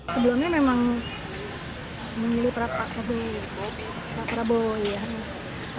sebelumnya memang memilih pak prabowo ya